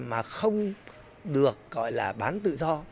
mà không được gọi là bán tự do